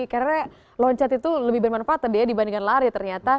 karena loncat itu lebih bermanfaat dibandingkan lari ternyata